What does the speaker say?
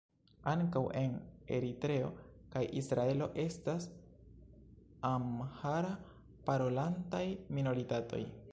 Ankaŭ en Eritreo kaj Israelo estas amhara-parolantaj minoritatoj.